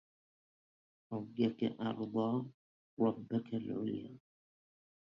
حجك أرضى ربك العليا